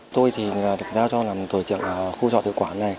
tôi thì được giao cho làm tổ chức khu trọ tự quản này